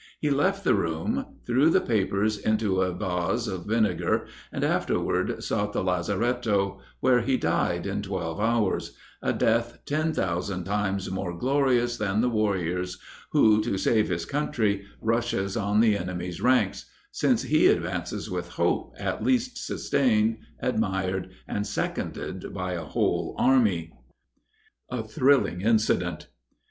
He left the room, threw the papers into a vase of vinegar, and afterward sought the lazaretto, where he died in twelve hours a death ten thousand times more glorious than the warrior's, who, to save his country, rushes on the enemy's ranks, since he advances with hope, at least, sustained, admired, and seconded by a whole army. A THRILLING INCIDENT.